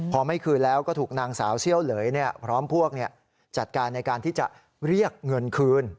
พอไม่คืนแล้วก็ถูกนางสาวเซี่ยวเหลยพร้อมพวกจัดการในการที่จะเรียกเงินคืน